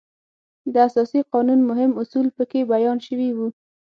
د اساسي قانون مهم اصول په کې بیان شوي وو.